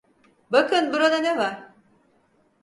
Bakın burada ne var?